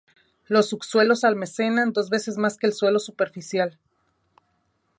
Los subsuelos almacenan dos veces más que el suelo superficial.